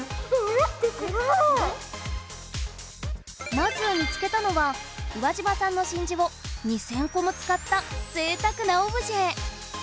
まず見つけたのは宇和島産の真珠を２０００個も使ったぜいたくなオブジェ！